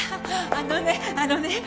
あのねあのね